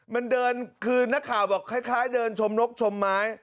มันเดินคือนักข่าวบอกคล้ายเดินชมนกชมไม้